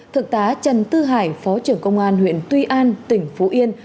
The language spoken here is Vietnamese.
thượng tá trần tư hải phó trưởng công an huyện tuy an tỉnh phú yên